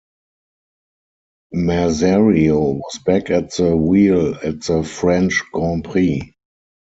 Merzario was back at the wheel at the French Grand Prix.